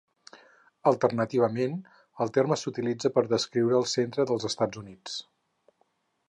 Alternativament, el terme s'utilitza per descriure el centre dels Estats Units.